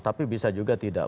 tapi bisa juga tidak